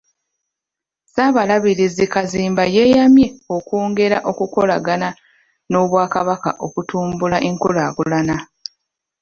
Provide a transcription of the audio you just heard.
Ssaabalabirizi Kazimba yeeyamye okwongera okukolagana n’Obwakabaka okutumbula enkulaakulana.